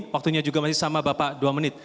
waktunya juga masih sama bapak dua menit